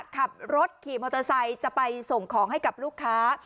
ขับรถขี่มอเตอร์ไซค์จะไปส่งของให้กับลูกค้า